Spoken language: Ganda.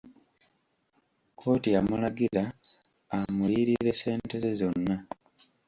Kkooti yamulagira amuliyirire ssente ze zonna.